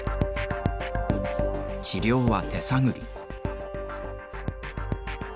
治療は手探り。